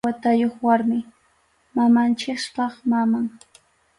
Achka watayuq warmi, mamanchikpa maman.